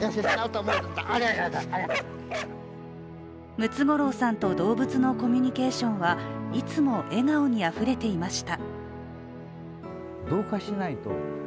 ムツゴロウさんと動物のコミュニケーションは、いつも笑顔にあふれていました。